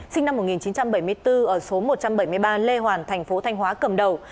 sinh năm một nghìn chín trăm bảy mươi bốn ở số một trăm bảy mươi ba lê hoàn thành phố thanh hóa cầm đầu